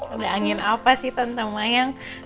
udah angin apa sih tante mayang